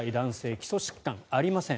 基礎疾患ありません。